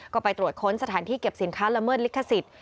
ก็ไปตรวจค้นสถานที่เก็บสินค้าละเมิดลิขสิทธิ์